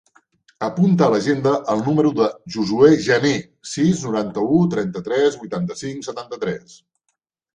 Apunta a l'agenda el número del Josuè Janer: sis, noranta-u, trenta-tres, vuitanta-cinc, setanta-tres.